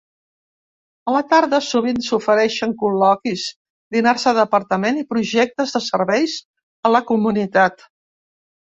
A la tarda sovint s'ofereixen col·loquis, dinars de departament i projectes de serveis a la comunitat.